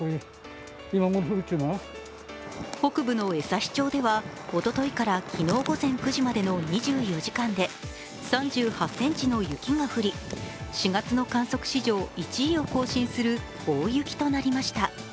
北部の枝幸町ではおとといから昨日午前９時までの２４時間で３８ｃｍの雪が降り、４月の観測史上１位を更新する大雪となりました。